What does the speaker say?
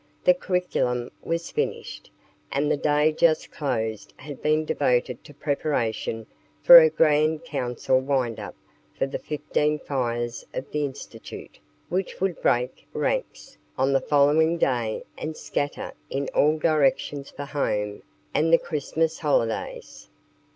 The curriculum was finished, and the day just closed had been devoted to preparation for a Grand Council wind up for the fifteen Fires of the Institute, which would "break ranks" on the following day and scatter in all directions for home and the Christmas holidays.